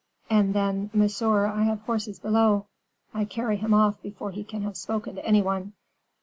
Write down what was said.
"And then: 'Monsieur, I have horses below.' I carry him off before he can have spoken to any one."